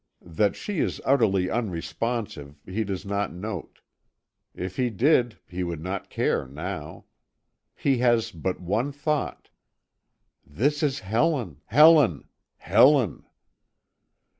That she is utterly unresponsive he does not note. If he did he would not care now. He has but one thought: "This is Helen, Helen, Helen."